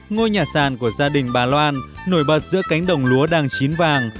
ngôi nhà sàn của gia đình bà loan nổi bật giữa cánh đồng lúa đang chín vàng